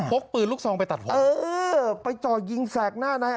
กปืนลูกซองไปตัดผมเออไปจ่อยิงแสกหน้านาย